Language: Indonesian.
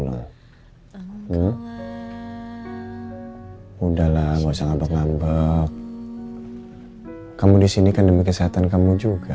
gown udah nggak usah ngambet ngambet kamu disini kandung kesehatan kamu juga